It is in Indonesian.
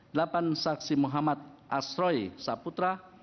delapan saksi muhammad asroi saputra